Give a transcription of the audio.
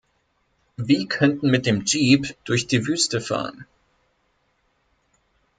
Wie könnten mit dem Jeep durch die Wüste fahren.